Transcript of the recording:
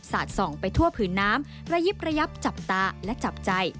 ส่องไปทั่วผืนน้ำระยิบระยับจับตาและจับใจ